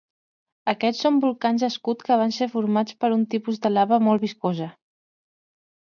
Aquests són volcans escut que van ser formats per un tipus de lava molt viscosa.